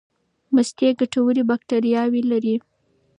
مستې ګټورې باکتریاوې لري.